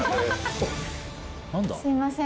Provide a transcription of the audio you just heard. すいません